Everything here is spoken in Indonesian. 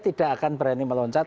tidak akan berani meloncat